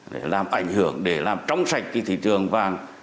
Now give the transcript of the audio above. để làm ảnh hưởng để làm trong sạch cái thị trường vàng